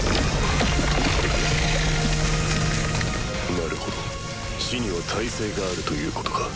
なるほど死には耐性があるということか。